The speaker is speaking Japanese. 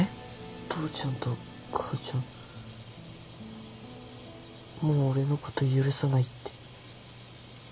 父ちゃんと母ちゃんもう俺のこと許さないって。